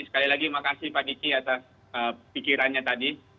sekali lagi makasih pak diki atas pikirannya tadi